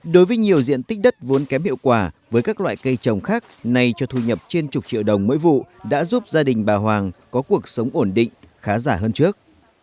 đối với nhiều diện tích đất vốn kém hiệu quả với các loại cây trồng khác nay cho thu nhập trên chục triệu đồng mỗi vụ đã giúp gia đình bà hoàng có cuộc sống ổn định khá giả hơn trước